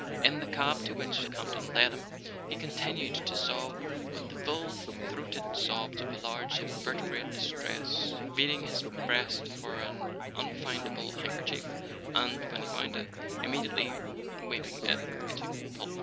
In the cab to which Campton led him, he continued to sob with the full throated sobs of a large inverte¬ brate distress, beating his breast for an unfindable handkerchief, and, when he found it, immediately weeping it into pulp.